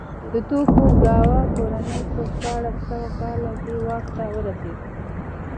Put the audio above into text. د توکوګاوا کورنۍ په شپاړس سوه کال کې واک ته ورسېده.